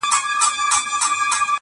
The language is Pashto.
که پنجشېر دی، که واخان دی، وطن زما دی!!